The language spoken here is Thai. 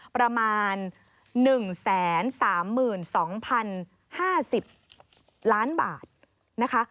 ประมาณ๑๓๒๐๕๐ล้านบาทนะคะ